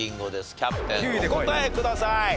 キャプテンお答えください。